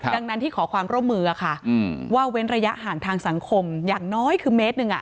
ดังนั้นที่ขอความร่วมมือค่ะว่าเว้นระยะห่างทางสังคมอย่างน้อยคือเมตรหนึ่ง